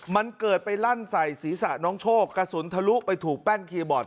มันเกิดไปลั่นใส่ศีรษะน้องโชคกระสุนทะลุไปถูกแป้นคีย์บอร์ด